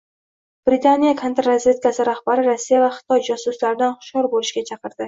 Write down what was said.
Britaniya kontrrazvedkasi rahbari Rossiya va Xitoy josuslaridan hushyor bo‘lishga chaqirdi